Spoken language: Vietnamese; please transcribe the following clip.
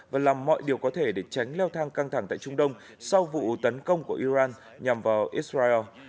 và làm mọi điều có thể để tránh leo thang căng thẳng tại trung đông sau vụ tấn công của iran nhằm vào israel